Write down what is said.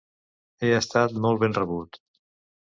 He estat molt ben rebut.